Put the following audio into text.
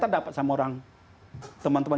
dapat sama orang teman teman